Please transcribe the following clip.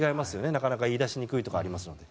なかなか言い出しにくいところがありますので。